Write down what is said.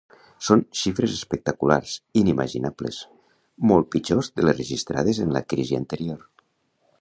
Són xifres espectaculars, inimaginables, molt pitjors de les registrades en la crisi anterior.